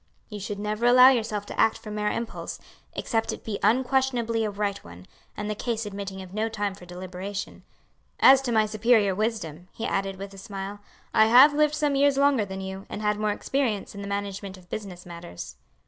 "You should never allow yourself to act from mere impulse, except it be unquestionably a right one, and the case admitting of no time for deliberation. As to my superior wisdom," he added with a smile, "I have lived some years longer than you, and had more experience in the management of business matters."